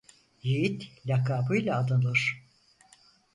Yiğit lakabıyla anılır.